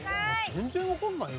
全然わかんないよ。